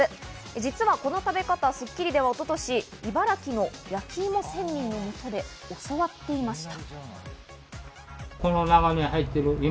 実はこの食べ方『スッキリ』では一昨年、茨城の焼き芋仙人の下で教わっていました。